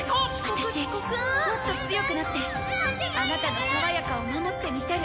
「私もっと強くなってあなたのさわやかを守ってみせる。